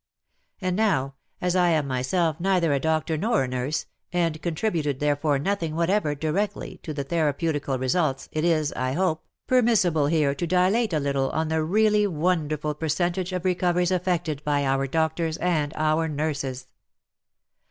And now, as I am myself neither a doctor nor a nurse, and contributed therefore nothing whatever directly to the therapeutical results, it is, I hope, permissible here to dilate a little on the really wonderful percentage of recov eries effected by our doctors and our nurses.